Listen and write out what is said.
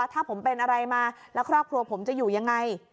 ถ้าผมเป็นอะไรมาแล้วครอบครัวผมจะอยู่ยังไง